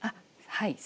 はい。